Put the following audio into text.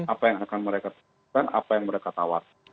apa yang akan mereka lakukan apa yang mereka tawar